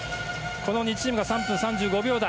この２チームが３分３５秒台。